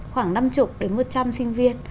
khoảng năm mươi đến một trăm linh sinh viên